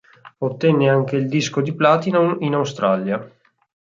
Ottenne anche il disco di platino in Australia.